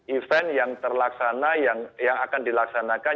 event yang terlaksana yang akan dilaksanakan